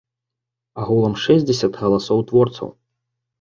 Агулам шэсцьдзясят галасоў творцаў.